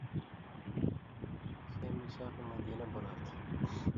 ،اَسے میثاق مدینہ بناں تھہ۔